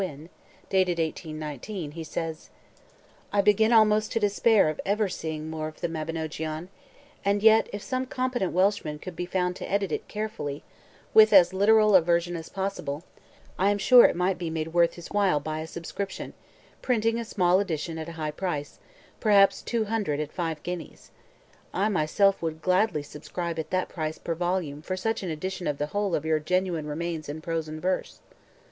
Wynn, dated 1819, he says: "I begin almost to despair of ever seeing more of the Mabinogeon; and yet if some competent Welshman could be found to edit it carefully, with as literal a version as possible, I am sure it might be made worth his while by a subscription, printing a small edition at a high price, perhaps two hundred at five guineas. I myself would gladly subscribe at that price per volume for such an edition of the whole of your genuine remains in prose and verse.